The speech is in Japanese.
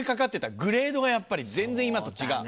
グレードがやっぱり全然今と違う。